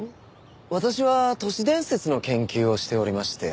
私は都市伝説の研究をしておりまして。